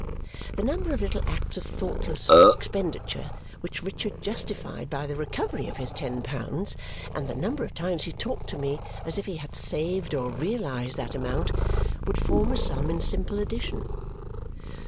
The number of little acts of thoughtless expenditure which Richard justified by the recovery of his ten pounds, and the number of times he talked to me as if he had saved or realized that amount, would form a sum in simple addition.